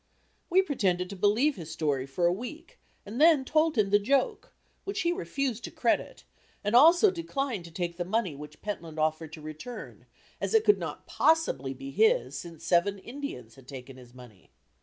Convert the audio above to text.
We pretended to believe his story for a week and then told him the joke, which he refused to credit, and also declined to take the money which Pentland offered to return, as it could not possibly be his since seven Indians had taken his money.